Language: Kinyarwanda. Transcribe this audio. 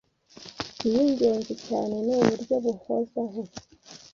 iy’ingenzi cyane ni uburyo buhozaho